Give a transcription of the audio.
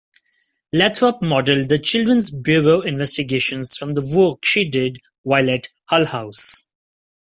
Lathrop modeled the Children's Bureau investigations from the work she did while at Hull-House.